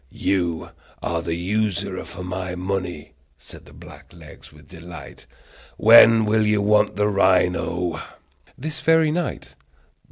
"You are the usurer for my money!" said black legs with delight. "When will you want the rhino?" "This very night."